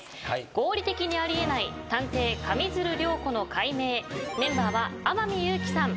『合理的にあり得ない探偵・上水流涼子の解明』メンバーは天海祐希さん